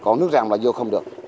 còn nước rạng là vô không được